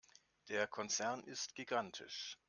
Der Konzern ist gigantisch.